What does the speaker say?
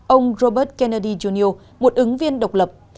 ông robert kennedy jr một ứng viên độc lập